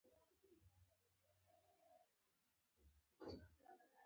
که زما سره مینه لرئ نو زه به ستاسو په زړه کې وم.